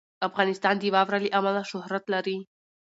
افغانستان د واوره له امله شهرت لري.